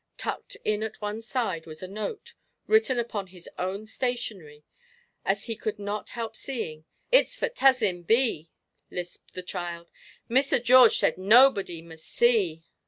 Tucked in at one side was a note, written upon his own stationery, as he could not help seeing. "It's for Tuzzin Bee!" lisped the child. "Misser George said nobody mus' see!"